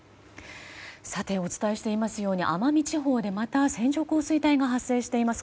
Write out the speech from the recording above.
さて、お伝えしていますように奄美地方でまた線状降水帯が発生しています。